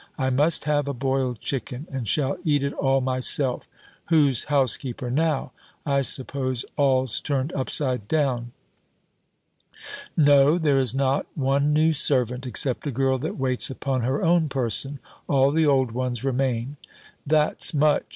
I must have a boiled chicken, and shall eat it all myself. Who's housekeeper now? I suppose all's turned upside down." "No, there is not one new servant, except a girl that waits upon her own person: all the old ones remain." "That's much!